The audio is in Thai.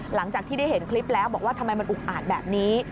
หลังจากที่ได้เห็นคลิปแล้วบอกว่าทำไมมันอุกอาจแบบนี้